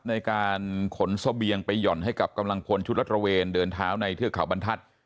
ในการขนเสบียงไปหย่อนให้กับกำลังพลชุดรัฐระเวนเดินเท้าในเทือกเขาบรรทัศน์